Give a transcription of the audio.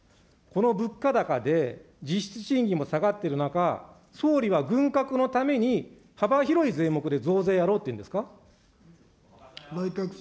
この物価高で、実質賃金も下がっている中、総理は軍拡のために幅広い税目で増税やろうっていうんですか。